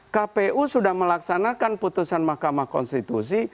kpu sudah melaksanakan putusan mahkamah konstitusi